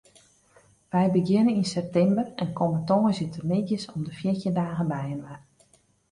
Wy begjinne yn septimber en komme tongersdeitemiddeis om de fjirtjin dagen byinoar.